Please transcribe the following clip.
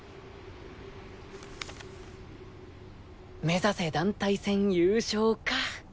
目指せ団体戦優勝か。